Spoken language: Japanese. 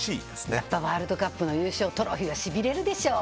やっぱワールドカップの優勝トロフィーはしびれるでしょう。